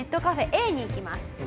Ａに行きます。